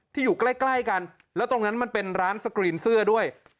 อยู่ใกล้ใกล้กันแล้วตรงนั้นมันเป็นร้านสกรีนเสื้อด้วย